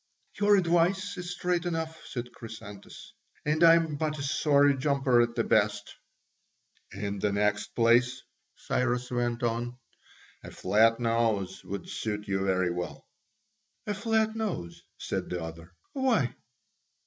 "Your advice is straight enough," said Chrysantas; "and I am but a sorry jumper at the best." "In the next place," Cyrus went on, "a flat nose would suit you very well." "A flat nose?" said the other, "why?"